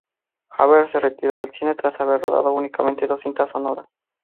Haver se retiró del cine tras haber rodado únicamente dos cintas sonoras.